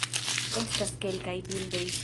Estas kelkaj bildoj